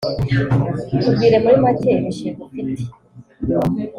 Tubwire muri make imishinga ufite